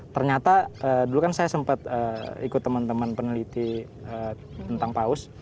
ternyata dulu kan saya sempat ikut teman teman peneliti tentang paus